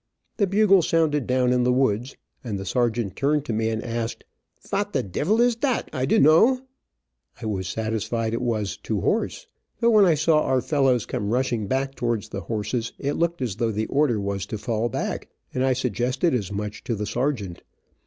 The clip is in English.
The bugle sounded down in the woods, and the sergeant turned to me and asked, "Fhat the divil is that I dunno?" I was satisfied it was "To horse," but when I saw our fellows come rushing back towards the horses it looked as though the order was to fall back, and I suggested as much to the sergeant.